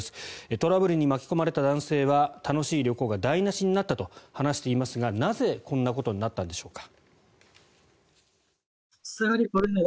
トラブルに巻き込まれた男性は楽しい旅行が台無しになったと話していますがなぜ、こんなことになったんでしょうか。